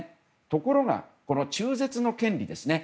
ところが、中絶の権利ですね。